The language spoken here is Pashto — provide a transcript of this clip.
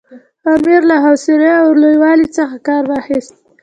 امیر له حوصلې او لوی والي څخه کار واخیست.